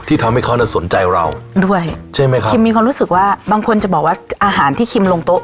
ทำให้เขาน่ะสนใจเราด้วยใช่ไหมครับคิมมีความรู้สึกว่าบางคนจะบอกว่าอาหารที่คิมลงโต๊ะ